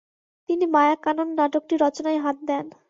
তিনি মায়াকানন নাটকটি রচনায় হাত দেন।